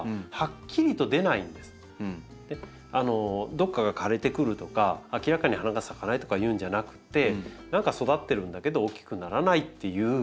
どこかが枯れてくるとか明らかに花が咲かないとかいうんじゃなくて何か育ってるんだけど大きくならないっていう症状として出るんです。